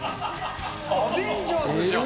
アベンジャーズじゃん。